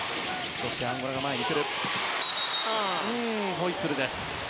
ホイッスルです。